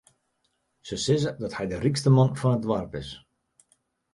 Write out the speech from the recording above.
Se sizze dat hy de rykste man fan it doarp is.